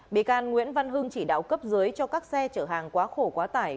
bị can nguyễn văn hưng chỉ đạo cấp dưới cho các xe chở hàng quá khổ quá tải